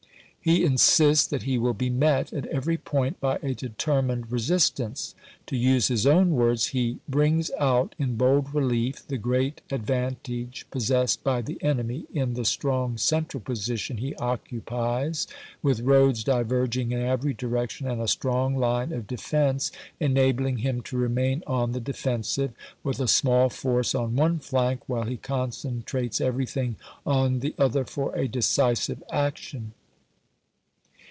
He insists that he will be met at every point by a determined resistance. To use his own words, he " brings out, in bold relief, the great ad vantage possessed by the enemy in the strong central position he occupies, with roads diverging in every direction, and a strong line of defense enabling him to remain on the defensive, with a small force on one flank, while he concentrates everything on the other for a decisive action."